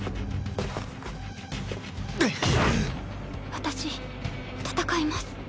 私戦います。